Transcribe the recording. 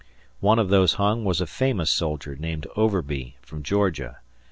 One of those hung was a famous soldier named Overby, from Georgia.